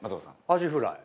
アジフライ。